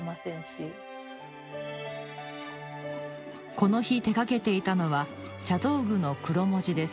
この日手がけていたのは茶道具の黒文字です。